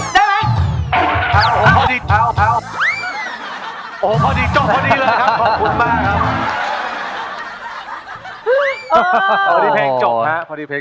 ถ้าพร้อมแล้วขอเชิญพบกับคุณลูกบาท